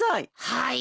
はい。